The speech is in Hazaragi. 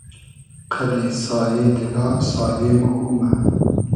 قئدی سایې دیگا سایې مۉ گومۂ